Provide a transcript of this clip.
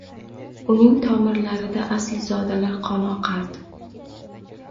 Uning tomirlarida asilzodalar qoni oqardi